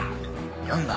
読んだ？